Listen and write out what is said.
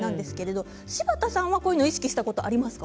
柴田さんはこういうもの意識したことありますか？